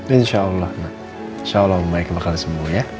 insya allah nak insya allah membaik bakal sembuh ya